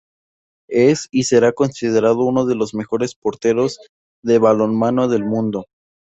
Es, y será, considerado como uno de los mejores porteros de balonmano del mundo.